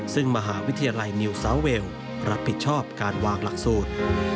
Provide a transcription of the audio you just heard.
ซึ่งมหาวิทยาลัยนิวซาวเวลรับผิดชอบการวางหลักสูตร